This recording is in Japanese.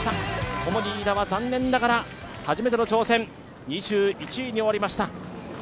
コモディイイダは残念ながら初めての挑戦２１位に終わりました。